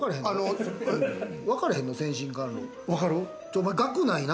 おまえ学ないな。